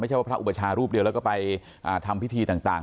ไม่ใช่พระอุปชาวิทยาลูกเดียวแล้วก็ไปอ่าทำพิธีต่างต่าง